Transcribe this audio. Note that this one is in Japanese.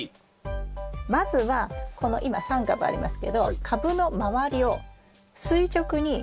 まずはこの今３株ありますけど株の周りを垂直に。